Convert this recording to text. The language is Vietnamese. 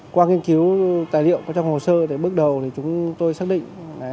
qua nghiên cứu tài liệu trong hồ sơ bước đầu chúng tôi xác định